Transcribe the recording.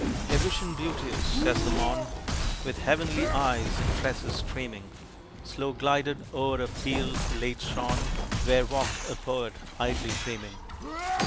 A vision beauteous as the morn, With heavenly eyes and tresses streaming, Slow glided o'er a field late shorn Where walked a poet idly dreaming.